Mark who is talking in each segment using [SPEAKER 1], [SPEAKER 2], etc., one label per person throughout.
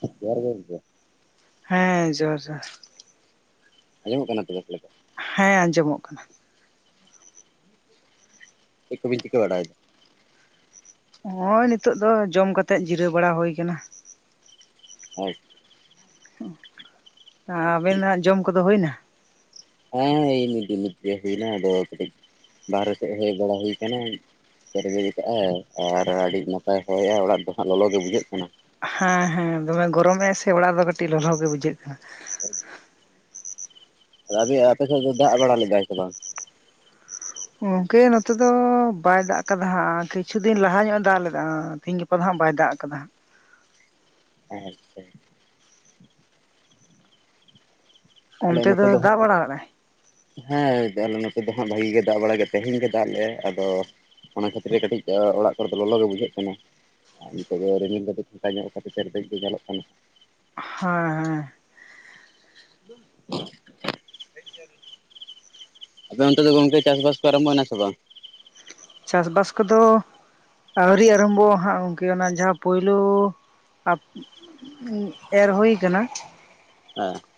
[SPEAKER 1] ᱡᱚᱦᱟᱨ ᱜᱮ ᱜᱟᱝᱠᱮ
[SPEAKER 2] ᱦᱮᱸ ᱡᱚᱦᱟᱨ ᱡᱚᱦᱟᱨ
[SPEAKER 1] ᱟᱸᱡᱚᱢᱚᱜ ᱠᱟᱱᱟ ᱛᱚ ᱜᱚᱝᱠᱮ
[SPEAKER 2] ᱦᱮᱸ ᱟᱸᱡᱚᱢᱚᱜ ᱠᱟᱱᱟ
[SPEAKER 1] ᱪᱠ ᱠᱚᱵᱤᱱ ᱪᱤᱠᱟᱹ ᱵᱟᱲᱟᱭᱫᱟ?
[SPEAKER 2] ᱱᱚᱜ ᱚᱭ ᱱᱤᱛᱚᱜ ᱫᱚ ᱡᱚᱢ ᱠᱟᱛᱮᱜ ᱡᱤᱨᱟᱹᱣ ᱵᱟᱲᱟ ᱦᱩᱭ ᱟᱠᱟᱱᱟ
[SPEAKER 1] ᱦᱚᱭ
[SPEAKER 2] ᱟᱵᱮᱱᱟᱜ ᱡᱚᱢ ᱠᱚᱫᱚ ᱦᱩᱭᱱᱟ?
[SPEAKER 1] ᱦᱮᱸ ᱱᱤᱛ ᱫᱚ ᱱᱤᱛᱜᱮ ᱦᱩᱭᱱᱟ ᱟᱫᱚ ᱠᱟᱹᱴᱤᱡ ᱵᱟᱦᱨᱮ ᱥᱮᱫ ᱦᱮᱡ ᱵᱟᱲᱟ ᱦᱩᱭ ᱠᱟᱱᱟ᱾ ᱛᱮᱨᱫᱮᱡ ᱠᱟᱫᱟᱭ ᱟᱨ ᱟᱹᱰᱤ ᱱᱟᱯᱟᱭ ᱦᱚᱭᱟᱭ ᱚᱲᱟᱜ ᱫᱚ ᱦᱟᱸᱜ ᱞᱚᱞᱚ ᱜᱮ ᱵᱩᱡᱷᱟᱹᱜ ᱠᱟᱱᱟ᱾
[SPEAKER 2] ᱦᱮᱸ ᱦᱮᱸ ᱫᱚᱢᱮ ᱜᱚᱨᱚᱢᱮᱜ ᱥᱮ ᱚᱲᱟᱜ ᱫᱚ ᱠᱟᱹᱴᱤᱡ ᱞᱚᱞᱚ ᱜᱮ ᱵᱩᱡᱷᱟᱹᱜ ᱠᱟᱱᱟ᱾
[SPEAKER 1] [unintelligible] ᱟᱯᱮ ᱥᱮᱫ ᱫᱚ ᱫᱟᱜ ᱵᱟᱲᱟ ᱞᱮᱫᱟᱭ ᱥᱮ ᱵᱟᱝ?
[SPEAKER 2] ᱜᱚᱝᱠᱮ ᱱᱚᱛᱮ ᱫᱚ ᱵᱟᱭ ᱫᱟᱜ ᱟᱠᱟᱫᱟ ᱦᱟᱸᱜ ᱠᱤᱪᱷᱩ ᱫᱤᱱ ᱞᱟᱦᱟ ᱧᱚᱜ ᱮ ᱫᱟᱜ ᱞᱮᱫᱟ, ᱛᱤᱦᱮᱤᱧ ᱜᱟᱯᱟ ᱫᱚ ᱦᱟᱸᱜ ᱵᱟᱭ ᱫᱟᱜ ᱟᱠᱟᱫᱟ ᱾
[SPEAKER 1] ᱟᱪᱪᱷᱟ, [unintelligible] ᱦᱮᱸ ᱟᱞᱮ
[SPEAKER 2] ᱚᱱᱛᱮ ᱫᱚ ᱫᱟᱜ ᱵᱟᱲᱟ ᱞᱮᱫᱟᱭ ᱦᱮᱸ
[SPEAKER 1] ᱱᱚᱛᱮ ᱫᱚ ᱦᱟᱸᱜ ᱵᱷᱟᱜᱤ ᱜᱮ ᱫᱟᱜ ᱵᱟᱲᱟᱜ ᱜᱮ ᱛᱮᱦᱮᱧ ᱜᱮ ᱫᱟᱜ ᱞᱮᱭᱟ ᱟᱫᱚ ᱚᱱᱟ ᱠᱷᱟᱹᱛᱤᱨ ᱠᱟᱹᱴᱤᱡ ᱚᱲᱟᱜ ᱠᱚᱨᱮ ᱫᱚ ᱞᱚᱞᱚ ᱜᱮ ᱵᱩᱡᱷᱟᱹᱜ ᱠᱟᱱᱟ᱾ ᱟᱨ ᱱᱤᱛᱚᱜ ᱫᱚ ᱨᱤᱢᱤᱞ ᱠᱟᱴᱤᱡ ᱯᱷᱟᱧᱚᱜ ᱠᱷᱟᱹᱛᱤᱨ ᱛᱮᱨᱫᱮᱡ ᱜᱮ ᱧᱮᱞᱚᱜ ᱠᱟᱱᱟ ᱾
[SPEAKER 2] [unintelligible]
[SPEAKER 1] [unintelligible] ᱟᱫᱚ ᱚᱱᱛᱮ ᱫᱚ ᱜᱚᱢᱠᱮ ᱪᱟᱥᱵᱟᱥ ᱠᱚ ᱟᱨᱟᱢᱵᱷᱭᱱᱟ ᱥᱮ ᱵᱟᱝ?
[SPEAKER 2] ᱪᱟᱥ ᱵᱟᱥ ᱠᱚᱫᱚ ᱟᱹᱣᱨᱤ ᱟᱨᱟᱢᱵᱷᱚ ᱦᱟᱸᱜ ᱜᱚᱢᱠᱮ ᱚᱱᱟ ᱡᱟᱦᱟᱸ ᱯᱳᱭᱞᱳ ᱮᱨ ᱦᱩᱭ ᱠᱟᱱᱟ,
[SPEAKER 1] [unintelligible]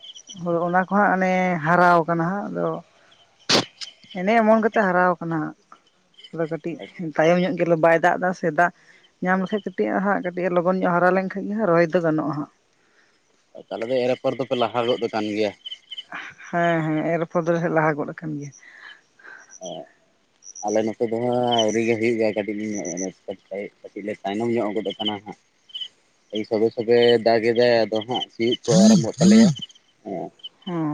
[SPEAKER 2] ᱚᱱᱟ ᱠᱚ ᱦᱟᱸᱜ ᱚᱱᱮ ᱦᱟᱨᱟ ᱠᱟᱱᱟ ᱦᱟᱸᱜ, ᱟᱫᱚ ᱮᱱᱮ ᱮᱢᱚᱱ ᱠᱟᱛᱮ ᱦᱟᱨᱟ ᱟᱠᱟᱱᱟ ᱦᱟᱜ ᱟᱫᱚ ᱠᱟᱹᱴᱤᱡ ᱛᱟᱭᱚᱢ ᱧᱚᱜ ᱜᱮᱞᱮ ᱵᱟᱭ ᱫᱟᱜ ᱮᱫᱟ ᱥᱮ ᱫᱟᱜ ᱧᱟᱢ ᱞᱮᱠᱷᱟᱡ ᱠᱟᱹᱴᱤᱡ ᱟ ᱦᱜ ᱠᱟᱹᱴᱤᱡ ᱞᱚᱜᱚᱱ ᱧᱚᱜ ᱦᱟᱨᱟ ᱞᱮᱱᱠᱟᱱ ᱜᱮ ᱦᱟᱸᱜ ᱨᱚᱦᱚᱭ ᱫᱚ ᱜᱟᱱᱚᱜᱼᱟ ᱦᱟᱸᱜ᱾
[SPEAKER 1] ᱛᱟᱦᱚᱞᱮ ᱫᱚ ᱮᱨ ᱯᱚᱨ ᱫᱚᱯᱮ ᱞᱟᱦᱟ ᱜᱚᱫ ᱟᱠᱟᱱ ᱜᱮᱭᱟ᱾
[SPEAKER 2] ᱦᱮᱸ ᱦᱮᱸ ᱮᱨᱯᱚᱨ ᱫᱚᱞᱮ ᱞᱟᱦᱟ ᱜᱚᱫ ᱟᱠᱟᱱ ᱜᱮᱭᱟ᱾
[SPEAKER 1] ᱟᱞᱮ ᱱᱚᱛᱮ ᱫᱚ ᱦᱟᱜ ᱟᱹᱣᱨᱤ ᱜᱮ ᱦᱩᱭᱩᱜ ᱜᱮᱭᱟ ᱠᱟᱹᱴᱤᱡ [unintelligible] ᱠᱟᱹᱴᱤᱡ ᱞᱮ ᱛᱟᱭᱱᱚᱢ ᱧᱚᱜ ᱜᱚᱫᱚᱜ ᱠᱟᱱᱟ ᱦᱟᱸᱜ᱾ ᱥᱚᱵᱮ ᱥᱚᱵᱮ ᱫᱟᱜ ᱮᱟᱭ ᱟᱫᱚ ᱦᱟᱜ ᱥᱤᱭᱳᱜ ᱠᱚ ᱟᱨᱟᱢᱵᱚᱜ ᱛᱟᱞᱮᱭᱟ ᱦᱟᱜ᱾
[SPEAKER 2] ᱦᱩᱸ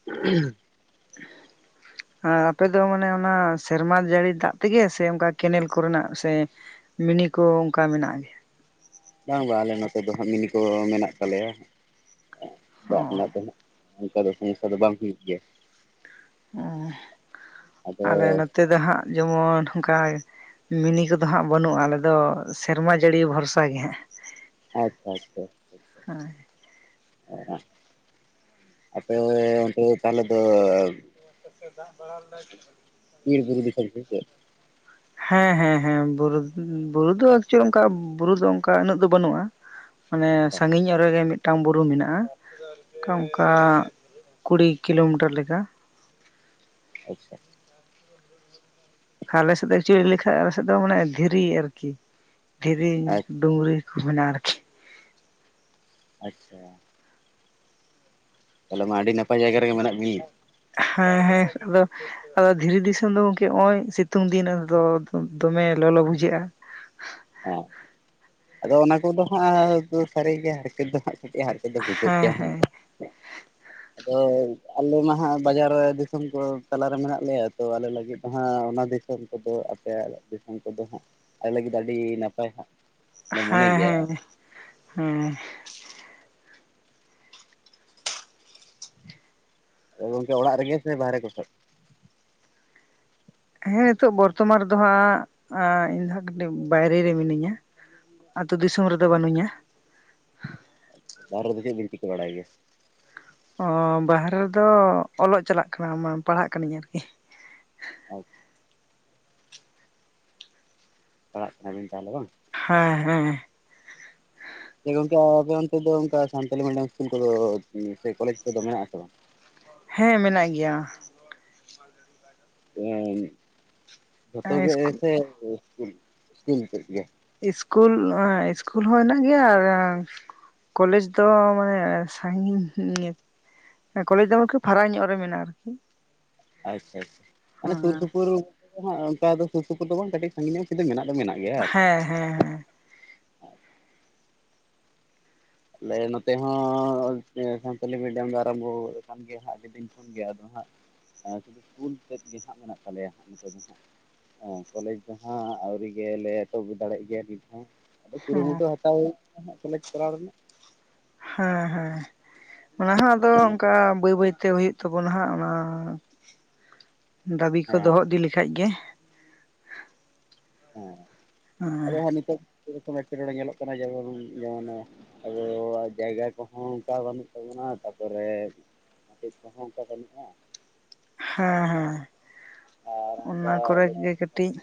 [SPEAKER 1] [unintelligible]
[SPEAKER 2] ᱟᱨ ᱟᱯᱮ ᱫᱚ ᱢᱟᱱᱮ ᱚᱱᱟ ᱥᱮᱨᱢᱟ ᱡᱟᱹᱲᱤ ᱫᱟᱜ ᱛᱮᱜᱮ ᱥᱮ ᱚᱱᱠᱟ ᱠᱮᱱᱮᱞ ᱠᱚᱨᱮᱱᱟᱜ ᱥᱮ ᱢᱤᱱᱤ ᱠᱚ ᱚᱱᱠᱟ ᱢᱮᱱᱟᱜ ᱜᱮᱭᱟ?
[SPEAKER 1] ᱵᱟᱝ ᱵᱟᱝ ᱟᱞᱮ ᱱᱚᱛᱮ ᱫᱚ ᱦᱟᱸᱜ ᱢᱤᱱᱤ ᱠᱚ ᱢᱮᱱᱟᱜ ᱛᱟᱞᱮᱭᱟ
[SPEAKER 2] ᱜᱮᱭᱟ
[SPEAKER 1] ᱫᱟᱜ ᱨᱮᱱᱟᱜ ᱫᱚ ᱦᱟᱸᱜ ᱾ ᱚᱱᱠᱟ ᱫᱚ ᱥᱚᱢᱥᱟ ᱫᱚ ᱵᱟᱝ ᱦᱩᱭᱩᱜ ᱜᱮᱭᱟ᱾
[SPEAKER 2] ᱚᱸ
[SPEAKER 1] ᱟᱫᱚ
[SPEAKER 2] ᱟᱞᱮ ᱱᱚᱛᱮ ᱫᱚ ᱦᱟᱸᱜ ᱡᱮᱢᱚᱱ ᱚᱱᱠᱟ ᱢᱤᱱᱤ ᱠᱚᱫᱚ ᱦᱟᱸᱜ ᱵᱟᱹᱱᱩᱜᱼᱟ ᱟᱞᱮ ᱫᱚ ᱥᱮᱨᱢᱟ ᱡᱟᱹᱲᱤ ᱵᱷᱚᱨᱥᱟ ᱜᱮ ᱦᱟᱸᱜ ᱾
[SPEAKER 1] ᱟᱪᱪᱷᱟ ᱟᱪᱪᱷᱟ ᱟᱪᱪᱷᱟ, ᱟᱯᱮᱻᱚᱱᱛᱮ ᱫᱚ ᱛᱟᱦᱚᱞᱮ ᱫᱚ
[SPEAKER 2] ᱱᱚᱛᱮ ᱫᱟᱜ ᱵᱟᱲᱟ ᱞᱮᱫᱟᱭ ᱥᱮ ᱵᱟᱝ?
[SPEAKER 1] ᱵᱤᱨ ᱵᱩᱨᱩ ᱫᱤᱥᱚᱢ ᱥᱮ ᱪᱮᱫ?
[SPEAKER 2] ᱦᱮᱸ ᱦᱮᱸ ᱦᱮᱸ ᱵᱩᱨᱩ ᱫᱚ ᱮᱠᱪᱮᱞ ᱚᱱᱠᱟ ᱵᱩᱨᱩ ᱫᱚ ᱚᱱᱠᱟ ᱩᱱᱟᱹᱜ ᱫᱚ ᱵᱟᱹᱱᱩᱜᱼᱟ᱾ ᱢᱟᱱᱮ
[SPEAKER 1] ᱟᱪᱪᱷᱟ
[SPEAKER 2] ᱥᱟᱹᱜᱤᱧ ᱚᱜ ᱨᱮ ᱜᱮ ᱢᱤᱫ ᱢᱤᱫᱴᱟᱝ ᱵᱩᱨᱩ ᱢᱮᱱᱟᱜᱼᱟ ᱚᱱᱠᱟ ᱚᱱᱠᱟ ᱠᱩᱲᱤ ᱠᱤᱞᱳᱢᱤᱴᱟᱨ ᱞᱮᱠᱟ᱾
[SPEAKER 1] ᱟᱪᱪᱷᱟ,
[SPEAKER 2] ᱟᱞᱮᱥᱮᱫ ᱫᱚ ᱮᱠᱪᱩᱚᱭᱞᱤ ᱞᱮᱭ ᱞᱮᱠᱷᱟᱱ ᱟᱞᱮᱥᱮᱫ ᱫᱚ ᱢᱟᱱᱮ ᱫᱷᱤᱨᱤ ᱟᱨᱠᱤ ᱫᱷᱤᱨᱤ ᱰᱩᱝᱨᱤ᱾ [unintelligible]
[SPEAKER 1] ᱟᱪᱪᱷᱟ, ᱛᱟᱦᱚᱞᱮ ᱢᱟ ᱟᱹᱰᱤ ᱱᱟᱯ
[SPEAKER 2] ᱦᱮᱸ ᱦᱮᱸ ᱟᱫᱚ ᱟᱫᱚ ᱫᱷᱤᱨᱤ ᱫᱤᱥᱚᱢ ᱫᱚ ᱜᱚᱝᱠᱮ ᱱᱚᱜᱼᱚᱭ ᱥᱤᱛᱩᱝ ᱫᱤᱱ ᱫᱚ ᱫᱚᱢᱮ ᱞᱚᱞᱚ ᱵᱩᱡᱷᱟᱹᱜᱼᱟ ᱾
[SPEAKER 1] [unintelligible] ᱟᱫᱚ ᱚᱱᱟ ᱠᱚᱫᱚ ᱦᱟᱸᱜ ᱥᱟᱹᱨᱤᱜᱮ ᱦᱟᱨᱠᱮᱛ ᱫᱚ ᱦᱟᱸᱜ ᱠᱟᱹᱴᱤᱡ ᱦᱟᱨᱠᱮᱛ ᱫᱚ ᱵᱩᱡᱷᱟᱹᱜ
[SPEAKER 2] ᱦᱮᱸ
[SPEAKER 1] ᱜᱮᱭᱟ
[SPEAKER 2] ᱦᱮᱸ
[SPEAKER 1] ᱾ [inaudible] ᱟᱫᱚ ᱟᱞᱮ ᱢᱟ ᱦᱟᱸᱜ ᱵᱟᱡᱟᱨ ᱫᱤᱥᱚᱢ ᱠᱚ ᱛᱟᱞᱟᱨᱮ ᱢᱮᱱᱟᱜ ᱞᱮᱭᱟ, ᱛᱚ ᱟᱞᱮ ᱞᱟᱹᱜᱤᱫ ᱫᱚ ᱦᱟᱸᱜ ᱚᱱᱟ ᱫᱤᱥᱚᱢ ᱠᱚᱫᱚ ᱟᱯᱮ ᱫᱤᱥᱚᱢ ᱠᱚᱫᱚ ᱦᱟᱸᱜ ᱟᱞᱮ ᱞᱟᱹᱜᱤᱫ ᱟᱹᱰᱤ ᱱᱟᱯᱟᱭ ᱦᱟᱸᱜ ᱾
[SPEAKER 2] ᱦᱮᱸ ᱦᱮᱸ, ᱦᱮᱸ ᱾
[SPEAKER 1] ᱜᱚᱝᱠᱮ ᱚᱲᱟᱜ ᱨᱮᱜᱮ ᱵᱟᱦᱨᱮ ᱠᱚ ᱥᱮ?
[SPEAKER 2] ᱦᱮᱸ, ᱱᱤᱛᱚᱜ ᱵᱚᱨᱛᱚᱢᱟᱱ ᱨᱮᱫᱚ ᱦᱟᱸᱜ ᱤᱧ ᱫᱚ ᱦᱟᱸᱜ ᱠᱟᱹᱴᱤᱡ ᱵᱟᱭᱨᱮ ᱨᱮ ᱢᱤᱱᱟᱹᱧᱟ ᱾ ᱟᱹᱛᱩ ᱫᱤᱥᱚᱢ ᱨᱮᱫᱚ ᱵᱟᱹᱱᱩᱧᱟ ᱾
[SPEAKER 1] ᱵᱟᱨᱦᱮ ᱨᱮᱫᱚ ᱪᱮᱫ ᱵᱮᱱ ᱪᱤᱠᱟᱹ ᱵᱟᱲᱟᱭ ᱜᱮᱭᱟ?
[SPEAKER 2] ᱚᱸ ᱵᱟᱨᱦᱮ ᱨᱮᱫᱚ ᱚᱞᱚᱜ ᱪᱟᱞᱟᱜ ᱠᱟᱱᱟ, ᱯᱟᱲᱦᱟᱜ ᱠᱟᱹᱱᱟᱹᱧ ᱟᱨᱠᱤ ᱾
[SPEAKER 1] ᱟᱪᱪᱷᱟ ᱾ ᱯᱟᱲᱦᱟᱜ ᱠᱟᱱᱟ ᱵᱤᱱ ᱛᱟᱦᱚᱞᱮ ᱵᱟᱝ?
[SPEAKER 2] ᱦᱮᱸ ᱦᱮᱸ ᱾
[SPEAKER 1] ᱜᱚᱝᱠᱮ ᱟᱯᱮ ᱚᱱᱛᱮ ᱫᱚ ᱚᱱᱠᱟ ᱥᱟᱱᱛᱟᱞᱤ ᱢᱤᱰᱤᱭᱟᱢ ᱤᱥᱠᱩᱞ ᱠᱚᱫᱚ ᱥᱮ ᱠᱚᱞᱮᱡᱽ ᱠᱚᱫᱚ ᱢᱮᱱᱟᱜ ᱟᱥᱮ ᱵᱟᱝ?
[SPEAKER 2] ᱦᱮᱸ, ᱢᱮᱱᱟᱜ ᱜᱮᱭᱟ ᱾
[SPEAKER 1] ᱡᱷᱚᱛᱚ ᱜᱮ
[SPEAKER 2] ᱤᱥᱠᱩᱞ
[SPEAKER 1] ᱥᱮ ᱤᱥᱠᱩᱞ ᱤᱥᱠᱩᱞ ᱛᱮᱫ ᱜᱮᱭᱟ?
[SPEAKER 2] ᱤᱥᱠᱩᱞ ᱤᱥᱠᱩᱞ ᱦᱚᱸ ᱦᱮᱱᱟᱜ ᱜᱮᱭᱟ ᱟᱨ ᱠᱚᱞᱮᱡᱽ ᱫᱚ ᱢᱟᱱᱮ ᱥᱟᱺᱜᱤᱧ ᱦᱮᱸ ᱠᱚᱞᱮᱡᱽ ᱫᱚ ᱟᱨᱠᱤ ᱯᱷᱟᱨᱟᱠ ᱧᱚᱜ ᱨᱮ ᱢᱮᱱᱟᱜᱼᱟ ᱟᱨᱠᱤ ᱾
[SPEAKER 1] ᱟᱪᱪᱷᱟ ᱟᱪᱪᱷᱟ ᱢᱟᱱᱮ ᱥᱩᱨ ᱥᱩᱯᱩᱨ ᱚᱱᱠᱟ ᱫᱚ ᱥᱩᱨ ᱥᱩᱯᱩᱨ ᱫᱚ ᱵᱟᱝ ᱠᱟᱹᱴᱤᱡ ᱥᱟᱺᱜᱤᱧ ᱧᱚᱜ ᱠᱚᱨᱮ ᱢᱮᱱᱟᱜ ᱫᱚ ᱢᱮᱱᱟᱜᱼᱟ ᱾
[SPEAKER 2] ᱦᱮᱸ ᱦᱮᱸ ᱦᱮᱸ ᱾
[SPEAKER 1] ᱟᱞᱮ ᱱᱚᱛᱮ ᱦᱚᱸ ᱥᱟᱱᱛᱟᱞᱤ ᱢᱤᱰᱤᱭᱟᱢ ᱫᱚ ᱟᱨᱟᱢᱵᱷᱚ ᱟᱠᱟᱱ ᱜᱮᱭᱟ ᱟᱹᱰᱤ ᱫᱤᱱ ᱠᱷᱚᱱ ᱾ ᱜᱮ ᱟᱫᱚ ᱦᱟᱸᱜ ᱥᱩᱫᱩ ᱤᱥᱠᱩᱞ ᱛᱮᱫ ᱜᱮ ᱦᱟᱸᱜ ᱢᱮᱱᱟᱜ ᱛᱟᱞᱮᱭᱟ ᱦᱟᱸᱜ ᱱᱤᱛᱚᱜ ᱫᱚ ᱦᱟᱸᱜ ᱾ ᱠᱚᱞᱮᱡᱽ ᱫᱚ ᱦᱟᱸᱜ ᱟᱹᱣᱨᱤ ᱜᱮᱞᱮ ᱮᱛᱚᱦᱚᱵ ᱫᱟᱲᱮᱜ ᱜᱮᱭᱟ ᱱᱤᱛ ᱦᱚᱸ ᱾ ᱟᱹᱰᱤ
[SPEAKER 2] ᱦᱮᱸ ᱦᱮᱸ
[SPEAKER 1] ᱠᱩᱨᱩᱢᱩᱴᱩ ᱦᱟᱛᱟᱣ ᱦᱩᱭ ᱟᱠᱟᱱᱟ ᱠᱚᱞᱮᱡᱽ ᱠᱚᱨᱟᱣ ᱨᱮᱱᱟᱜ
[SPEAKER 2] ᱦᱮᱸ ᱦᱮᱸ, ᱚᱱᱟ ᱦᱚᱸ ᱟᱫᱚ ᱚᱱᱠᱟ ᱵᱟᱹᱭ ᱵᱟᱹᱭᱛᱮ ᱛᱮ ᱦᱩᱭᱩᱜ ᱛᱟᱵᱚᱱᱟ ᱦᱟᱸᱜ ᱚᱱᱟ ᱫᱟᱹᱵᱤ ᱠᱚ
[SPEAKER 1] ᱦᱮᱸ
[SPEAKER 2] ᱫᱚᱦᱚ ᱤᱫᱤ ᱞᱮᱠᱷᱟᱡ ᱜᱮ ᱾
[SPEAKER 1] ᱦᱮᱸ,
[SPEAKER 2] ᱦᱮᱸ
[SPEAKER 1] ᱟᱫᱚ ᱦᱟᱸᱜ ᱱᱤᱛᱚᱜ ᱥᱮᱨᱚᱠᱚᱢ ᱮᱴᱠᱮᱴᱚᱬᱮ ᱧᱮᱞᱚᱜ ᱠᱟᱱᱟ ᱡᱮᱢᱚᱱ ᱡᱮᱢᱚᱱ- ᱟᱫᱚ ᱡᱟᱭᱜᱟ ᱠᱚᱦᱚᱸ ᱚᱱᱠᱟ ᱵᱟᱹᱱᱩᱜ ᱛᱟᱵᱚᱱᱟ ᱛᱟᱯᱚᱨᱮ, ᱢᱟᱪᱮᱫ ᱠᱚᱦᱚᱸ ᱚᱱᱠᱟ ᱵᱟᱱᱩᱜᱼᱟ ᱾
[SPEAKER 2] ᱦᱮᱸ ᱦᱮᱸ,
[SPEAKER 1] ᱟᱨ ᱚᱱᱠᱟ
[SPEAKER 2] ᱚᱱᱟ ᱠᱚᱨᱮ
[SPEAKER 1] ᱟᱞᱮ
[SPEAKER 2] ᱜᱮ ᱠᱟᱹᱴᱤᱡ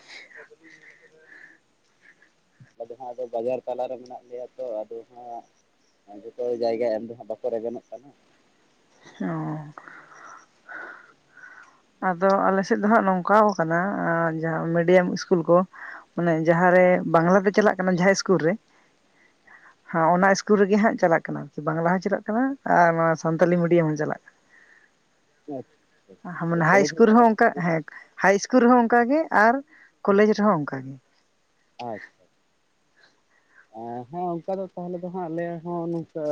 [SPEAKER 1] ᱟᱫᱚ ᱦᱟᱸᱜ ᱟᱫᱚ ᱵᱟᱡᱟᱨ ᱛᱟᱞᱟᱨᱮ ᱢᱮᱱᱟᱜ ᱞᱮᱭᱟ ᱛᱚ, ᱟᱫᱚ ᱦᱟᱸᱜ ᱡᱚᱛᱚ ᱡᱟᱭᱜᱟ ᱮᱢ ᱫᱚ ᱦᱟᱸᱜ ᱵᱟᱠᱚ ᱨᱮᱵᱮᱱᱚᱜ ᱠᱟᱱᱟ ᱾
[SPEAKER 2] ᱚ ᱾ ᱟᱫᱚ ᱟᱞᱮ ᱥᱮᱫ ᱫᱚ ᱦᱟᱸᱜ ᱱᱚᱝᱠᱟᱣ ᱟᱠᱟᱱᱟ ᱡᱟᱦᱟᱸ ᱢᱤᱰᱤᱭᱟᱢ ᱤᱥᱠᱩᱞ ᱠᱚ ᱢᱟᱱᱮ ᱡᱟᱦᱟᱸᱨᱮ ᱵᱟᱝᱞᱟᱛᱮ ᱪᱟᱞᱟᱜ ᱠᱟᱱᱟ ᱡᱟᱦᱟᱸᱭ ᱤᱥᱠᱩᱞ ᱨᱮ
[SPEAKER 1] [inaudible]
[SPEAKER 2] ᱦᱚᱸ ᱚᱱᱟ ᱤᱥᱠᱩᱞ ᱨᱮᱜᱮ ᱦᱟᱸᱜ ᱪᱟᱞᱟᱜ ᱠᱟᱱᱟ ᱟᱨᱠᱤ, ᱵᱟᱝᱞᱟ ᱦᱚᱸ ᱪᱟᱞᱟᱜ ᱠᱟᱱᱟ ᱟᱨ ᱱᱚᱣᱟ ᱥᱟᱱᱛᱟᱞᱤ ᱢᱤᱰᱤᱭᱟᱢ ᱦᱚᱸ ᱪᱟᱞᱟᱜ ᱠᱟᱱᱟ ᱾
[SPEAKER 1] ᱟᱪᱪᱷᱟ ᱾
[SPEAKER 2] ᱠᱟᱱᱟ ᱢᱟᱱᱮ ᱦᱟᱭ ᱤᱥᱠᱩᱞ ᱨᱮᱦᱚᱸ ᱚᱱᱠᱟ ᱦᱮᱸ ᱦᱟᱭ ᱤᱥᱠᱩᱞ ᱨᱮᱦᱚᱸ ᱚᱱᱠᱟ ᱜᱮ ᱟᱨ ᱠᱚᱞᱮᱡᱽ ᱨᱮᱦᱚᱸ ᱚᱱᱠᱟ ᱜᱮ ᱾
[SPEAKER 1] ᱟᱪᱪᱷᱟ ᱾ ᱦᱮᱸ ᱚᱱᱠᱟ ᱫᱚ ᱛᱟᱦᱚᱞᱮ ᱫᱚ ᱦᱟᱸᱜ ᱟᱞᱮᱭᱟᱜ ᱦᱚᱸ ᱱᱚᱝᱠᱟ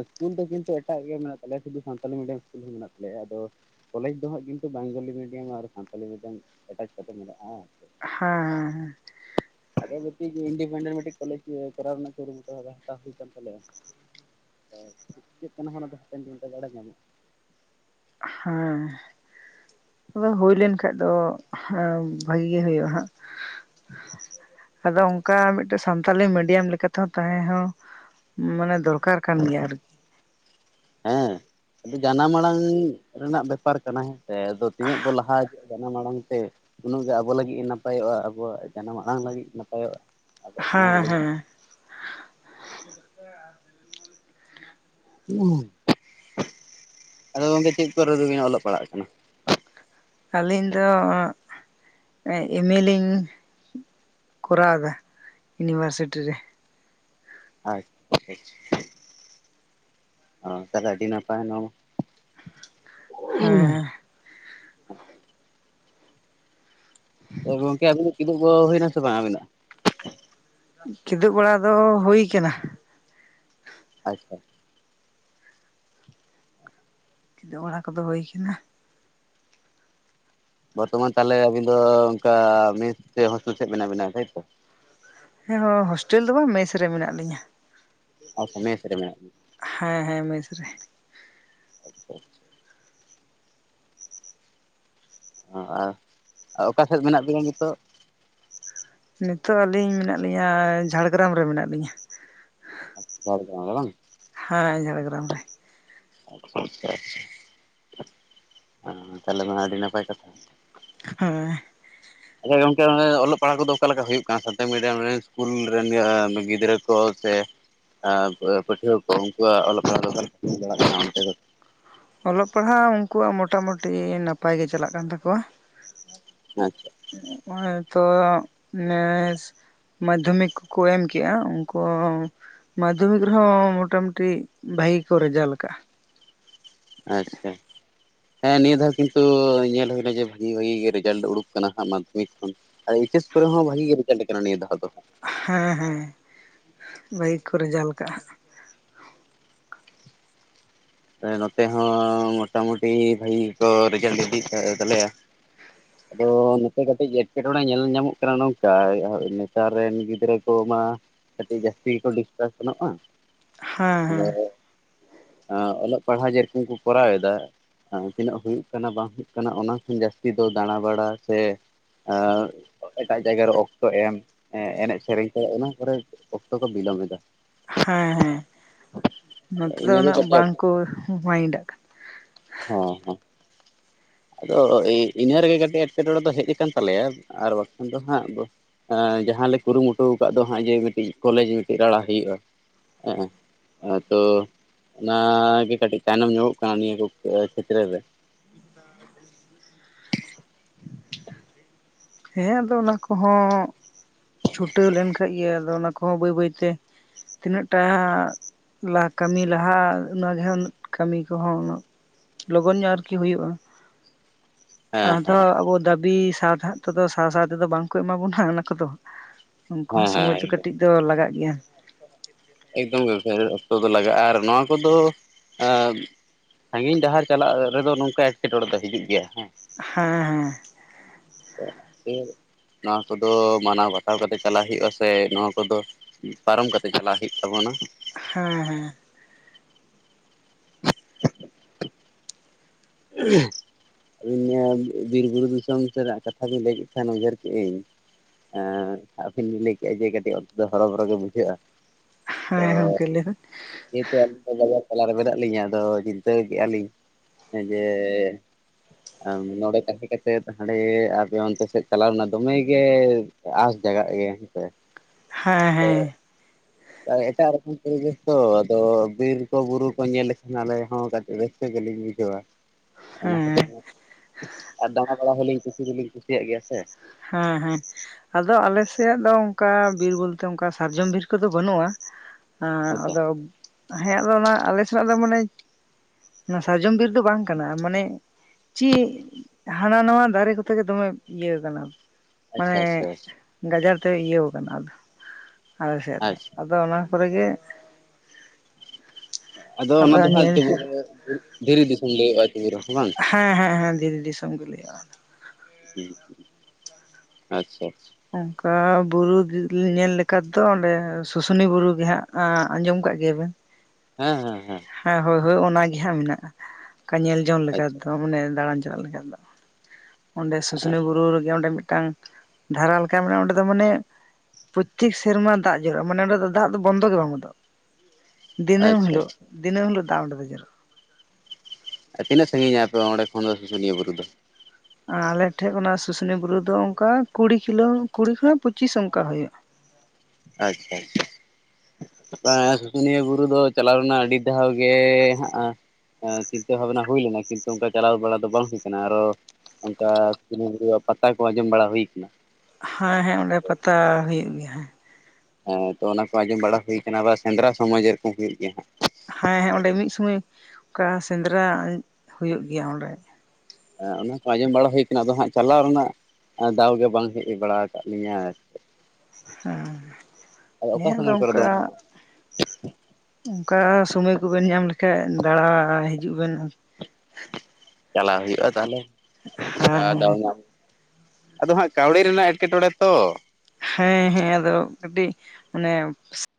[SPEAKER 1] ᱤᱥᱠᱩᱞ ᱫᱚ ᱠᱤᱱᱛᱩ ᱮᱴᱟᱜ ᱜᱮ ᱢᱮᱱᱟᱜ ᱛᱟᱞᱮᱭᱟ ᱥᱩᱫᱩ ᱥᱟᱱᱛᱟᱞᱤ ᱢᱤᱰᱟᱢ ᱤᱥᱠᱩᱞ ᱦᱚᱸ ᱢᱮᱱᱟᱜ ᱛᱟᱞᱮᱭᱟ, ᱟᱫᱚ ᱠᱚᱞᱮᱡᱽ ᱫᱚ ᱦᱟᱸᱜ ᱠᱤᱱᱛᱩ ᱵᱟᱝᱜᱟᱞᱤ ᱢᱤᱰᱤᱭᱟᱢ ᱟᱨ ᱥᱟᱱᱛᱟᱞᱤ ᱢᱤᱰᱤᱭᱟᱢ ᱮᱴᱟᱪ ᱠᱟᱛᱮ ᱢᱮᱱᱟᱜᱼᱟ ᱾
[SPEAKER 2] ᱦᱮᱸ ᱦᱮᱸ ᱦᱮᱸ ᱾
[SPEAKER 1] ᱟᱜᱮ ᱢᱤᱴᱤᱡ ᱤᱱᱵᱤᱯᱮᱱᱰᱮᱱᱴ ᱢᱤᱴᱤᱡ ᱠᱚᱞᱮᱡᱽ ᱤᱭᱟᱹ ᱠᱚᱨᱟᱣ ᱠᱩᱨᱩᱢᱩᱴᱩ ᱦᱟ ᱦᱟᱛᱟᱣ ᱦᱩᱭ ᱠᱟᱱ ᱛᱟᱞᱮᱭᱟ ᱾ ᱦᱚᱭ ᱪᱮᱫ ᱠᱟᱱᱟ ᱦᱟᱯᱮᱱ ᱫᱤᱱ ᱨᱮ ᱵᱟᱰᱟᱭ ᱧᱟᱢᱚᱜ-ᱟ ᱾
[SPEAKER 2] ᱦᱮᱸ ᱦᱩᱭ ᱞᱮᱱᱠᱷᱟᱱ ᱫᱚ ᱵᱷᱟᱜᱤ ᱦᱩᱭᱩᱜᱼᱟ ᱟᱫᱚ ᱚᱱᱠᱟ ᱢᱤᱫᱴᱟᱜ ᱥᱟᱱᱛᱟᱞᱤ ᱢᱤᱰᱤᱭᱟᱢ ᱞᱮᱠᱟ ᱛᱮ ᱛᱟᱦᱮᱸ ᱦᱚᱸ ᱢᱟᱱᱮ ᱫᱚᱨᱠᱟᱨ ᱠᱟᱱ ᱜᱮᱭᱟ ᱟᱨᱠᱤ
[SPEAKER 1] ᱦᱮᱸ ᱟᱫᱚ ᱡᱟᱱᱟᱢ ᱟᱲᱟᱝ ᱨᱮᱱᱟᱜ ᱵᱮᱯᱟᱨ ᱠᱟᱱᱟ ᱦᱮᱸ ᱥᱮ ᱟᱫᱚ ᱛᱤᱱᱟᱹᱜ ᱵᱚ ᱞᱟᱦᱟ ᱡᱟᱱᱟᱢ ᱟᱲᱟᱝ ᱛᱮ ᱩᱱᱟᱹᱜ ᱜᱮ ᱟᱵᱚ ᱞᱟᱹᱜᱤᱫ ᱱᱟᱯᱟᱭᱚᱜ-ᱟ᱾ ᱟᱵᱚᱣᱟᱜ ᱡᱟᱱᱟᱢ ᱟᱲᱟᱝ ᱞᱟᱹᱜᱤᱫ ᱱᱟᱯᱟᱭᱚᱜ-ᱟ ᱾ ᱟᱵᱚᱣᱟᱜ ᱥᱚᱢᱟᱡᱽ
[SPEAKER 2] ᱦᱮᱸ
[SPEAKER 1] ᱞᱟᱹᱭᱮᱫᱟ
[SPEAKER 2] ᱦᱮᱸ
[SPEAKER 1] [inaudible] ᱟᱫᱚ ᱜᱚᱝᱠᱮ ᱪᱮᱫ ᱠᱚᱨᱮ ᱫᱚᱵᱤᱱ ᱚᱞᱚᱜ ᱯᱟᱲᱦᱟᱜ ᱠᱟᱱᱟ?
[SPEAKER 2] ᱟᱹᱞᱤᱧ ᱫᱚ ᱮᱢ ᱮ ᱞᱤᱧ ᱠᱚᱨᱟᱣ ᱫᱟ᱾ ᱤᱭᱩᱱᱤᱵᱷᱟᱨᱥᱤᱴᱤ ᱨᱮ
[SPEAKER 1] [inaudible] ᱟᱪᱪᱷᱟ ᱟᱪᱷᱟ ᱦᱚᱸ ᱛᱟᱦᱮᱞᱮ ᱟᱹᱰᱤ ᱱᱟᱯᱟᱭᱟ ᱱᱚᱣᱟ ᱢᱟ᱾
[SPEAKER 2] ᱦᱮᱸ
[SPEAKER 1] ᱮ ᱜᱚᱝᱠᱮ ᱟᱹᱵᱤᱱᱟᱜ ᱠᱤᱫᱩᱵ ᱜᱚ ᱦᱩᱭᱱᱟ ᱥᱮ ᱵᱟᱝ ᱟᱹᱵᱤᱱᱟᱜ?
[SPEAKER 2] ᱠᱤᱫᱩᱵ ᱵᱟᱲᱟ ᱫᱚ ᱦᱩᱭ ᱠᱟᱱᱟ ᱾
[SPEAKER 1] ᱟᱪᱪᱷᱟ ᱾
[SPEAKER 2] ᱠᱤᱫᱩᱜ ᱵᱟᱲᱟ ᱠᱚᱫᱚ ᱦᱩᱭ ᱟᱠᱟᱱᱟ ᱾
[SPEAKER 1] ᱵᱚᱨᱛᱚᱢᱟᱱ ᱛᱟᱦᱚᱞᱮ ᱟᱹᱵᱤᱱ ᱫᱚ ᱚᱱᱠᱟ ᱢᱮᱥ ᱥᱮ ᱦᱚᱥᱴᱮᱞ ᱥᱮᱫ ᱢᱮᱱᱟᱜ ᱵᱤᱱᱟ, ᱛᱟᱭ ᱛᱚ?
[SPEAKER 2] ᱦᱮᱸ ᱦᱚᱥᱴᱮᱞ ᱫᱚ ᱵᱟᱝ ᱢᱮᱥ ᱨᱮ ᱢᱮᱱᱟᱜ ᱞᱤᱧᱟ ᱾
[SPEAKER 1] ᱟᱪᱪᱷᱟ ᱢᱮᱥ ᱨᱮ ᱢᱮᱱᱟᱜ ᱵᱤᱱᱟ ᱾
[SPEAKER 2] ᱦᱮᱸ ᱦᱮᱸ ᱢᱮᱥ ᱨᱮ ᱾
[SPEAKER 1] ᱟᱪᱪᱷᱟ ᱟᱪᱪᱷᱟ ᱾ ᱦᱚᱸ ᱟᱨ, ᱚᱠᱟ ᱥᱮᱫ ᱢᱮᱱᱟᱜ ᱵᱤᱱᱟ ᱱᱤᱛᱚᱜ?
[SPEAKER 2] ᱱᱤᱛᱚᱜ ᱟᱹᱞᱤᱧ ᱢᱮᱱᱟᱜ ᱞᱤᱧᱟᱹ ᱡᱷᱟᱲᱜᱨᱟᱢ ᱨᱮ ᱢᱮᱱᱟᱜ ᱞᱤᱧᱟᱹ ᱾
[SPEAKER 1] ᱟ [inaudible] ᱡᱷᱟᱲᱜᱨᱟᱢ ᱨᱮ ᱵᱟᱝ
[SPEAKER 2] ᱦᱮᱸ ᱡᱷᱟᱲᱜᱨᱟᱢ ᱨᱮ ᱾
[SPEAKER 1] ᱟᱪᱪᱷᱟ ᱟᱪᱪᱷᱟ ᱟᱪᱷᱟ ᱦᱚᱸ ᱛᱟᱦᱚᱞᱮ ᱢᱟ ᱟᱹᱰᱤ ᱱᱟᱯᱟᱭ ᱠᱟᱛᱷᱟ ᱾
[SPEAKER 2] ᱦᱮᱸ
[SPEAKER 1] ᱟᱪᱪᱷᱟ ᱜᱚᱢᱠᱮ ᱚᱞᱚᱜ ᱯᱟᱲᱦᱟᱜ ᱠᱚᱫᱚ ᱟᱫᱚ ᱜᱚᱸᱠᱮ ᱚᱸᱰᱮ ᱚᱞᱚᱜ ᱯᱟᱲᱦᱟᱣ ᱚᱠᱟ ᱞᱮᱠᱟ ᱦᱩᱭᱩᱜ ᱠᱟᱱᱟ ᱥᱟᱱᱛᱟᱲᱤ ᱢᱤᱰᱤᱭᱟᱢ ᱨᱮᱱ ᱤᱥᱠᱩᱞ ᱨᱮᱱ ᱜᱤᱫᱽᱨᱟᱹ ᱠᱚ ᱥᱮ ᱟ ᱯᱟᱹᱴᱷᱩᱣᱟᱹ ᱠᱚ ᱩᱱᱠᱩᱣᱟᱜ ᱚᱞᱚᱜ ᱯᱟᱲᱦᱟᱣ ᱫᱚ ᱚᱠᱟ ᱞᱮᱠᱟ ᱪᱟᱞᱟᱜ ᱠᱟᱱᱟ ᱚᱱᱛᱮ ᱫᱚ ᱾
[SPEAKER 2] ᱚᱞᱚᱜ ᱯᱟᱲᱦᱟᱜ ᱩᱱᱠᱩᱣᱟᱜ ᱢᱚᱴᱟᱢᱩᱴᱤ ᱱᱟᱯᱟᱭ ᱜᱮ ᱪᱟᱞᱟᱜ ᱠᱟᱱ ᱛᱟᱠᱚᱣᱟ ᱾
[SPEAKER 1] [inaudible] ᱟᱪᱪᱷᱟ
[SPEAKER 2] [inaudible] ᱱᱚᱼᱚᱭ ᱛᱚ ᱱᱮᱥ ᱢᱟᱫᱽᱫᱷᱚᱢᱤᱠ ᱠᱚᱠᱚ ᱮᱢ ᱠᱮᱜ-ᱟ᱾ ᱩᱱᱠᱩ ᱢᱟᱫᱽᱫᱷᱚᱢᱤᱠ ᱨᱮᱦᱚᱸ ᱢᱚᱴᱟ ᱢᱩᱴᱤ ᱵᱷᱟᱜᱤ ᱠᱚ ᱨᱮᱡᱟᱞ ᱟᱠᱟᱜ-ᱟ ᱾
[SPEAKER 1] ᱟᱪᱪᱷᱟ ᱾ ᱦᱮᱸ ᱱᱤᱭᱟᱹ ᱫᱷᱟᱣ ᱠᱤᱱᱛᱩ ᱧᱮᱞ ᱦᱩᱭᱱᱟ ᱡᱮ ᱵᱷᱟᱜᱤ ᱵᱷᱟᱜᱤ ᱜᱮ ᱨᱮᱡᱟᱞᱴ ᱩᱰᱩᱠ ᱟᱠᱟᱱᱟ ᱦᱜ ᱢᱟᱫᱽᱫᱷᱚᱢᱤᱠ ᱠᱷᱚᱱ ᱾ ᱟᱨ ᱮᱪ ᱮᱥ ᱠᱚᱨᱮ ᱦᱚᱸ ᱵᱷᱟᱜᱤ ᱜᱮ ᱨᱮᱡᱟᱞᱴ ᱠᱟᱱᱟ ᱱᱤᱭᱟᱹ ᱫᱟᱣ ᱫᱚ ᱾
[SPEAKER 2] ᱦᱮᱸ ᱦᱮᱸ ᱵᱷᱟᱜᱤ ᱠᱚ ᱨᱮᱡᱟᱞ ᱟᱠᱟᱜ-ᱟ ᱾
[SPEAKER 1] ᱦᱮᱸ ᱱᱚᱛᱮ ᱦᱚᱸ ᱢᱚᱴᱟᱢᱩᱴᱤ ᱵᱷᱟᱜᱤ ᱜᱮᱠᱚ ᱨᱮᱡᱟᱞᱴ ᱤᱫᱤ ᱭᱮᱫ ᱛᱟᱞᱮᱭᱟ ᱾ [inaudible] ᱟᱫᱚ ᱱᱚᱛᱮ ᱠᱟᱹᱴᱤᱡ ᱮᱸᱴᱠᱮᱴᱚᱬᱮ ᱧᱮᱞ ᱧᱟᱢᱚᱜ ᱠᱟᱱᱟ ᱱᱚᱝᱠᱟ ᱱᱮᱛᱟᱨ ᱨᱮᱱ ᱜᱤᱫᱽᱨᱟᱹ ᱠᱚᱢᱟ ᱠᱟᱹᱴᱤᱡ ᱡᱟᱹᱥᱛᱤ ᱜᱮᱠᱚ ᱰᱤᱥᱠᱟᱥᱚᱱᱚᱜ-ᱟ ᱾
[SPEAKER 2] ᱦᱮᱸ ᱦᱮᱸ᱾
[SPEAKER 1] ᱚᱞᱚᱜ ᱯᱟᱲᱦᱟᱜ ᱡᱮᱨᱚᱠᱚᱢ ᱠᱚ ᱠᱚᱨᱟᱣ ᱮᱫᱟ ᱦᱮᱸ ᱛᱤᱱᱟᱹᱜ ᱦᱩᱭᱩᱜ ᱠᱟᱱᱟ ᱵᱟᱝ ᱦᱩᱭᱩᱜ ᱠᱟᱱᱟ ᱚᱱᱟ ᱠᱷᱚᱱ ᱡᱟᱹᱥᱛᱤ ᱫᱚ ᱫᱟᱬᱟᱵᱟᱲᱟ ᱥᱮ [unintelligible] ᱮᱴᱟᱜ ᱡᱟᱭᱜᱟ ᱨᱮ ᱚᱠᱛᱚ ᱮᱢ᱾ ᱦᱮᱸ ᱮᱱᱮᱡ ᱥᱮᱨᱮᱧ ᱛᱮ ᱚᱱᱟ ᱠᱚᱨᱮ ᱚᱠᱛᱚ ᱠᱚ ᱵᱤᱞᱚᱢ ᱮᱫᱟ ᱾
[SPEAKER 2] ᱦᱮᱸ ᱦᱮᱸ ᱱᱚᱛᱮ ᱫᱚ
[SPEAKER 1] ᱤᱱᱟᱹᱜᱮ
[SPEAKER 2] ᱩᱱᱟᱹᱜ
[SPEAKER 1] ᱠᱟᱹᱴᱤᱡ
[SPEAKER 2] ᱵᱟᱝᱠᱚ ᱢᱟᱭᱤᱱᱰᱟᱜ ᱠᱟᱱᱟ ᱾
[SPEAKER 1] ᱦᱮ ᱦᱮᱸ ᱟᱫᱚ ᱤᱱᱟᱹ ᱨᱮᱜᱮ ᱠᱟᱹᱴᱤᱡ ᱮᱴᱠᱮᱴᱚᱬᱮ ᱫᱚ ᱦᱮᱡ ᱟᱠᱟᱱ ᱛᱟᱞᱮᱭᱟ᱾ ᱟᱨ ᱵᱟᱝᱠᱷᱟᱱ ᱫᱚ ᱦᱟᱸᱜ ᱮ ᱡᱟᱦᱟᱸ ᱞᱮ ᱠᱩᱨᱩᱢᱩᱴᱩ ᱟᱠᱟᱫ ᱫᱚ ᱦᱟᱸᱜ ᱡᱮ ᱢᱤᱫᱴᱮᱡ ᱠᱚᱞᱮᱡᱽ ᱢᱤᱫᱴᱮᱡ ᱨᱟᱲᱟ ᱦᱩᱭᱩᱜᱼᱟ ᱾ ᱦᱮᱸ ᱛᱚ ᱚᱱᱟᱜᱮ ᱠᱟᱹᱴᱤᱡ ᱛᱟᱭᱱᱚᱢ ᱧᱚᱜᱚᱜ ᱠᱟᱱᱟ ᱱᱤᱭᱟᱹ ᱠᱚ ᱠᱷᱮᱛᱨᱮ ᱨᱮ᱾ [inaudible]
[SPEAKER 2] ᱦᱮᱸ ᱟᱫᱚ ᱚᱱᱟ ᱠᱚᱦᱚᱸ ᱪᱷᱩᱴᱟᱹᱣ ᱞᱮᱱᱠᱟᱱ‌ ᱜᱮ ᱟᱫᱚ ᱚᱱᱟ ᱠᱚᱦᱚᱸ ᱵᱟᱹᱭ ᱵᱟᱹᱭᱛᱮ ᱛᱤᱱᱟᱹᱜ ᱴᱟ ᱦᱟᱸᱜ ᱞᱟᱦᱟ ᱠᱟᱹᱢᱤ ᱞᱟᱦᱟ ᱚᱱᱟᱱᱟ ᱡᱟᱦᱟᱱ ᱠᱟᱹᱢᱤ ᱠᱚᱦᱚᱸ ᱩᱱᱟᱹᱜ ᱞᱚᱜᱚᱱ ᱧᱚᱜ ᱟᱨᱠᱤ ᱦᱩᱭᱩᱜᱼᱟ
[SPEAKER 1] ᱦᱮᱸ ᱦᱮᱸ
[SPEAKER 2] ᱟᱫᱷᱟ ᱟᱵᱚ ᱫᱟᱹᱵᱤ ᱥᱟᱶᱛᱮ ᱦᱟᱸᱜ ᱱᱤᱛᱚᱜ ᱫᱚ ᱥᱟᱶ ᱥᱟᱶ ᱛᱮᱫᱚ ᱵᱟᱝ ᱠᱚ ᱮᱢᱟ ᱵᱚᱱᱟ ᱚᱱᱟ ᱠᱚᱫᱚ ᱩᱱᱠᱩ
[SPEAKER 1] ᱦᱮᱸ
[SPEAKER 2] ᱦᱚᱸ ᱥᱚᱢᱚᱭ ᱫᱚ
[SPEAKER 1] ᱦᱮᱸ
[SPEAKER 2] ᱠᱟᱹᱴᱤᱡ ᱫᱚ ᱞᱟᱜᱟᱜ ᱜᱮᱭᱟ᱾
[SPEAKER 1] ᱮᱠᱫᱚᱢ ᱜᱚᱝᱠᱮ ᱚᱠᱛᱚ ᱫᱚ ᱞᱟᱜᱟᱜᱼᱟ ᱟᱨ ᱱᱚᱣᱟ ᱠᱚᱫᱚ ᱮ ᱥᱟᱺᱜᱤᱧ ᱰᱟᱦᱟᱨ ᱪᱟᱞᱟᱜ ᱨᱮᱫᱚ ᱱᱚᱝᱠᱟ ᱮᱴᱠᱮᱴᱚᱬᱮ ᱫᱚ ᱦᱤᱡᱩᱜ ᱜᱮᱭᱟ ᱦᱮᱸ
[SPEAKER 2] ᱦᱮᱸ ᱦᱮᱸ ᱾
[SPEAKER 1] [unintelligible] ᱱᱚᱣᱟ ᱠᱚᱫᱚ ᱢᱟᱱᱟᱣ ᱵᱟᱛᱟᱣ ᱠᱟᱛᱮ ᱪᱟᱞᱟᱜ ᱦᱩᱭᱩᱜᱼᱟ ᱥᱮ ᱱᱚᱣᱟ ᱠᱚᱫᱚ ᱯᱟᱨᱚᱢ ᱠᱟᱛᱮᱜ ᱪᱟᱞᱟᱜ ᱦᱳᱭᱳᱜ ᱛᱟᱵᱚᱱᱟ ᱾
[SPEAKER 2] ᱦᱮᱸ ᱦᱮᱸ ᱾
[SPEAKER 1] ᱩᱸᱦ ᱟᱹᱵᱤᱱᱤᱭᱟᱹ ᱵᱤᱨᱼᱵᱩᱨᱩ ᱫᱤᱥᱚᱢ ᱥᱮᱫᱟᱜ ᱠᱟᱛᱷᱟ ᱵᱮᱱ ᱞᱟᱹᱭ ᱠᱮᱜ ᱠᱷᱟᱱ ᱩᱭᱦᱟᱹᱨ ᱠᱮᱫᱟᱹᱧ ᱟᱹᱵᱤᱱ ᱵᱮᱱ ᱞᱟᱹᱭ ᱠᱮᱫᱟ ᱡᱮ ᱠᱟᱹᱴᱤᱡ ᱚᱱᱫᱚ ᱫᱚ ᱦᱚᱨᱚᱵᱚᱨᱚᱜ ᱜᱮ ᱵᱩᱡᱷᱟᱹᱜᱼᱟ ᱾
[SPEAKER 2] ᱦᱮᱸ ᱦᱮᱸ ᱜᱚᱝᱠᱮ ᱞᱟᱹᱭ ᱵᱮᱱ
[SPEAKER 1] ᱟᱹᱞᱤᱧ ᱡᱮᱦᱮᱛᱩ ᱫᱚ ᱵᱟᱡᱟᱨ ᱛᱟᱞᱟᱨᱮ ᱢᱮᱱᱟᱜ ᱞᱤᱧᱟᱹ ᱟᱫᱚ ᱪᱤᱱᱛᱟᱹ ᱠᱮᱫᱼᱟ ᱞᱤᱧ, ᱡᱮ ᱱᱚᱰᱮ ᱛᱟᱦᱮᱸ ᱠᱟᱛᱮᱜ ᱦᱟᱸᱰᱮ ᱟᱯᱮ ᱚᱱᱛᱮ ᱥᱮᱫ ᱪᱟᱞᱟᱣ ᱨᱮᱱᱟᱜ ᱫᱚᱢᱮ ᱜᱮ ᱟᱥ ᱡᱟᱜᱟᱜ‌ ᱜᱮᱭᱟ ᱦᱮᱸ ᱥᱮ ᱾
[SPEAKER 2] ᱦᱟᱸ ᱦᱮᱸ ᱾
[SPEAKER 1] ᱮᱴᱟᱜ ᱨᱚᱠᱚᱢ ᱯᱚᱨᱤᱵᱮᱥ ᱛᱚ ᱟᱫᱚ ᱵᱤᱨ ᱠᱚ ᱵᱩᱨᱩ ᱠᱚ ᱧᱮᱞ ᱞᱮᱠᱷᱟᱱ ᱟᱞᱮ ᱦᱚᱸ ᱠᱟᱹᱴᱤᱡ ᱠᱟᱹ ᱜᱮᱞᱤᱧ ᱵᱩᱡᱟᱹᱣᱟ ᱾ ᱚᱱᱟ
[SPEAKER 2] ᱦᱮᱸ
[SPEAKER 1] ᱠᱷᱟᱹᱛᱤᱨ ᱟᱨ ᱫᱟᱬᱟ ᱵᱟᱲᱟ ᱦᱚᱸᱞᱤᱧ ᱠᱩᱥᱤ ᱫᱚᱞᱤᱧ ᱠᱩᱥᱤᱭᱟᱜ ᱜᱮᱭᱟ ᱥᱮ
[SPEAKER 2] ᱦᱮᱸ ᱦᱮᱸ ᱾ ᱟᱫᱚ ᱟᱞᱮᱥᱮᱫ ᱫᱚ ᱚᱱᱠᱟ ᱵᱤᱨ ᱵᱚᱞᱛᱮ ᱚᱱᱠᱟ ᱥᱟᱨᱡᱚᱢ ᱵᱤᱨ ᱠᱚᱫᱚ ᱵᱟᱹᱱᱩᱜᱼᱟ᱾ ᱦᱮᱸ
[SPEAKER 1] ᱦᱮᱸᱛᱚ
[SPEAKER 2] ᱟᱫᱚ ᱦᱮᱸᱫᱚ ᱚᱱᱟ ᱟᱞᱮ ᱥᱮᱱᱟᱜ ᱫᱚ ᱢᱟᱱᱮ ᱚᱱᱟ ᱥᱟᱨᱡᱚᱢ ᱵᱤᱨ ᱫᱚ ᱵᱟᱝ ᱠᱟᱱᱟ ᱢᱟᱱᱮ ᱪᱮᱜ ᱦᱟᱱᱟ ᱱᱟᱣᱟ ᱫᱟᱨᱮ ᱠᱚᱛᱮ ᱜᱮ ᱫᱚᱢᱮ ᱤᱭᱟᱹ ᱠᱟᱱᱟ ᱾
[SPEAKER 1] ᱟᱪᱪᱷᱟ
[SPEAKER 2] ᱢᱟᱱᱮ
[SPEAKER 1] ᱟᱪᱪᱷᱟ ᱟᱪᱪᱷᱟ
[SPEAKER 2] ᱜᱟᱡᱟᱲ ᱛᱮ ᱤᱭᱟᱹᱣ ᱠᱟᱱᱟ ᱟᱫᱚ ᱟᱞᱮ ᱥᱮᱫ ᱫᱚ᱾
[SPEAKER 1] ᱟᱪᱪᱷᱟ
[SPEAKER 2] ᱟᱫᱚ ᱚᱱᱟ ᱠᱚᱨᱮ ᱜᱮ
[SPEAKER 1] ᱟᱫᱚ ᱚᱱᱟ ᱫᱚ ᱦᱟᱸᱜ ᱪᱮᱫ ᱫᱷᱤᱨᱤ ᱫᱤᱥᱚᱢ ᱞᱟᱹᱭᱚᱜᱼᱟ [unintelligible] ᱫᱚ ᱵᱟᱝ᱾
[SPEAKER 2] ᱦᱮᱸ ᱦᱮᱸ ᱦᱮᱸ ᱫᱤᱨᱤ ᱫᱤᱥᱚᱢ ᱜᱮ ᱞᱟᱹᱭᱚᱜᱼᱟ᱾
[SPEAKER 1] ᱦᱩᱸ ᱟᱪᱪᱷᱟ ᱟᱪᱷᱟ᱾
[SPEAKER 2] ᱚᱱᱠᱟ ᱵᱩᱨᱩ ᱧᱮᱞ ᱞᱮᱠᱟ ᱛᱚ ᱚᱸᱰᱮ ᱥᱩᱥᱩᱱᱤ ᱵᱩᱨᱩ ᱜᱮ ᱦᱟᱸᱜ ᱟᱸᱡᱚᱢ ᱟᱠᱟᱜ ᱜᱮᱭᱟᱵᱮᱱ᱾
[SPEAKER 1] ᱦᱮᱸ ᱦᱮᱸ ᱦᱮᱸ᱾
[SPEAKER 2] ᱦᱮᱸ ᱦᱳᱭ ᱦᱳᱭ ᱚᱱᱟᱱᱟᱜᱮ ᱦᱟᱸᱜ ᱢᱮᱱᱟᱜᱼᱟ᱾ ᱚᱱᱠᱟ ᱧᱮᱞ ᱡᱚᱝ ᱞᱮᱠᱟ
[SPEAKER 1] ᱟᱪᱪᱷᱟ
[SPEAKER 2] ᱫᱚ ᱢᱟᱱᱮ ᱫᱟᱬᱟᱱ ᱪᱟᱞᱟᱜ ᱞᱮᱠᱟ ᱫᱚ᱾ ᱚᱸᱰᱮ ᱥᱩᱥᱩᱱᱤ ᱵᱩᱨᱩ ᱨᱮᱜᱮ ᱚᱸᱰᱮ ᱢᱤᱫᱴᱟᱝ ᱫᱷᱟᱨᱟ ᱞᱮᱠᱟ ᱢᱮᱱᱟᱜᱼᱟ ᱚᱸᱰᱮ ᱫᱚ ᱢᱟᱱᱮ ᱯᱨᱚᱛᱛᱮᱠ ᱥᱮᱨᱢᱟ ᱫᱟᱜ ᱡᱚᱨᱚᱜᱼᱟ ᱢᱟᱱᱮ ᱚᱸᱰᱮ ᱫᱚ ᱫᱟᱜ ᱫᱚ ᱵᱚᱱᱫᱚ ᱜᱮ ᱵᱟᱝ ᱵᱚᱱᱫᱚᱜᱼᱟ᱾ ᱫᱤᱱᱟᱹᱢ
[SPEAKER 1] ᱟᱪᱪᱷᱟ
[SPEAKER 2] ᱦᱤᱞᱚᱜ
[SPEAKER 1] ᱟᱪᱪᱷᱟ
[SPEAKER 2] ᱫᱤᱱᱟᱹᱢ ᱦᱤᱞᱚᱜ ᱫᱟᱜ ᱚᱸᱰᱮ ᱫᱚ ᱡᱚᱨᱚᱜᱼᱟ᱾
[SPEAKER 1] ᱟᱨ ᱛᱤᱱᱟᱹᱜ ᱥᱟᱺᱜᱤᱧᱟ ᱟᱯᱮ ᱚᱸᱰᱮ ᱠᱷᱚᱱ ᱫᱚ ᱥᱩᱥᱩᱱᱤᱭᱟᱹ ᱵᱩᱨᱩ ᱫᱚ?
[SPEAKER 2] ᱟᱨ ᱟᱞᱮᱴᱷᱮᱜ ᱠᱷᱚᱱᱟᱜ ᱥᱩᱥᱩᱱᱤᱭᱟᱹ ᱵᱩᱨᱩ ᱫᱚ ᱚᱱᱠᱟ ᱠᱩᱲᱤ ᱠᱤᱞᱳ ᱠᱩᱲᱤ ᱠᱷᱚᱱᱟᱜ ᱯᱩᱪᱤᱥ ᱚᱱᱠᱟ ᱦᱩᱭᱩᱜᱼᱟ᱾
[SPEAKER 1] ᱟᱪᱪᱷᱟ ᱟᱪᱪᱷᱟ᱾ ᱦᱮᱸ ᱥᱩᱥᱩᱱᱤᱭᱟᱹ ᱵᱩᱨᱩ ᱫᱚ ᱪᱟᱞᱟᱣ ᱞᱮᱱᱟ ᱟᱹᱰᱤ ᱫᱷᱟᱣ ᱜᱮ ᱦᱟᱸᱜ ᱟ ᱪᱤᱱᱛᱟᱹ ᱵᱷᱟᱵᱱᱟ ᱠᱚ ᱦᱩᱭ ᱞᱮᱱᱟ ᱠᱤᱱᱛᱩ ᱚᱱᱠᱟ ᱪᱟᱞᱟᱣ ᱵᱟᱲᱟ ᱫᱚ ᱵᱟᱝ ᱦᱩᱭ ᱠᱟᱱᱟ ᱟᱨᱚ ᱚᱱᱠᱟ ᱪᱤᱱᱟᱵᱟᱨᱭᱳ ᱯᱟᱛᱟ ᱠᱚ ᱟᱸᱡᱚᱢ ᱵᱟᱲᱟ ᱦᱳᱭ ᱠᱟᱱᱟ᱾
[SPEAKER 2] ᱦᱟᱸ ᱦᱮᱸ ᱚᱸᱰᱮ ᱯᱟᱛᱟ ᱦᱩᱭᱩᱜ ᱜᱮᱭᱟ ᱦᱮᱸ
[SPEAKER 1] ᱦᱮᱸ ᱛᱚ ᱚᱱᱟ ᱠᱚ ᱟᱸᱡᱚ ᱵᱟᱲᱟ ᱦᱳᱭ ᱠᱟᱱᱟ ᱵᱟ ᱥᱮᱸᱱᱫᱨᱟ ᱥᱚᱢᱚᱭ ᱡᱮᱨᱚᱠᱚᱢ ᱦᱩᱭᱩᱜ ᱜᱮᱭᱟ ᱦᱟᱸᱜ
[SPEAKER 2] ᱦᱮᱸ ᱦᱮᱸ ᱚᱸᱰᱮ ᱢᱤᱫ ᱥᱳᱢᱚᱭ ᱚᱱᱠᱟ ᱥᱮᱸᱱᱫᱨᱟ ᱦᱩᱭᱩᱜ ᱜᱮᱭᱟ ᱚᱸᱰᱮ
[SPEAKER 1] ᱚᱱᱟ ᱠᱚ ᱟᱸᱡᱚᱢ ᱵᱟᱲᱟ ᱦᱩᱭ ᱠᱟᱱᱟ ᱟᱫᱚ ᱦᱟᱜ ᱪᱟᱞᱟᱣ ᱨᱮᱱᱟᱜ ᱫᱟᱣ ᱜᱮ ᱵᱟᱝ ᱦᱮᱡ ᱵᱟᱲᱟ ᱟᱠᱟᱫ ᱞᱤᱧᱟᱹ ᱟᱨ
[SPEAKER 2] ᱦᱮᱸ
[SPEAKER 1] ᱚᱠᱟ
[SPEAKER 2] ᱱᱮᱜ
[SPEAKER 1] ᱥᱚᱢᱚᱭ ᱠᱚᱨᱮ ᱫᱚ
[SPEAKER 2] ᱱᱚᱝᱠᱟ
[SPEAKER 1] ᱚᱱᱟ ᱫᱚ
[SPEAKER 2] ᱚᱱᱠᱟ ᱥᱚᱢᱚᱭ ᱠᱚᱵᱮᱱ ᱧᱟᱢ ᱞᱮᱠᱷᱟᱡ ᱫᱟᱬᱟ ᱦᱤᱡᱩᱜ ᱵᱮᱱ
[SPEAKER 1] ᱪᱟᱞᱟᱣ ᱦᱩᱭᱩᱜᱼᱟ ᱛᱟᱦᱚᱞᱮ ᱪᱮᱠᱟᱭ
[SPEAKER 2] ᱦᱮᱸ
[SPEAKER 1] ᱫᱷᱟᱣ
[SPEAKER 2] ᱦᱮᱸ
[SPEAKER 1] ᱧᱟᱢ ᱟᱫᱚ ᱦᱟᱸᱜ ᱠᱟᱹᱣᱰᱤ ᱨᱮᱱᱟᱜ ᱮᱴᱠᱮᱴᱚᱬᱮ ᱛᱚ
[SPEAKER 2] ᱦᱮᱸ ᱦᱮᱸ ᱟᱫᱚ ᱠᱟᱹᱴᱤᱡ ᱢᱟᱱᱮ